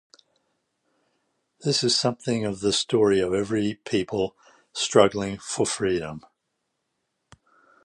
This is something of the story of every people struggling for freedom.